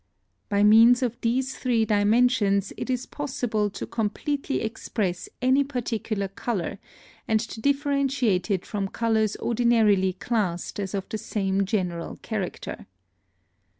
By means of these three dimensions it is possible to completely express any particular color, and to differentiate it from colors ordinarily classed as of the same general character.